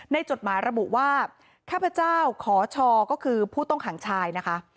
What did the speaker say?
จดหมายระบุว่าข้าพเจ้าขอชอก็คือผู้ต้องขังชายนะคะ